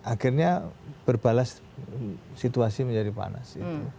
akhirnya berbalas situasi menjadi panas